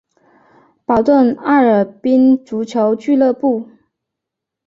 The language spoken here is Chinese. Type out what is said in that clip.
保顿艾尔宾足球俱乐部。